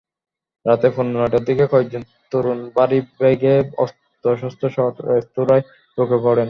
রাত পৌনে নয়টার দিকে কয়েকজন তরুণ ভারী ব্যাগে অস্ত্রশস্ত্রসহ রেস্তোরাঁয় ঢুকে পড়েন।